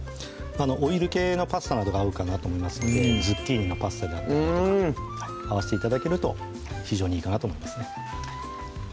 オイル系のパスタなどが合うかなと思いますのでズッキーニのパスタであったりとか合わして頂けると非常にいいかなと思いますね